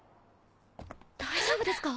大丈夫ですか？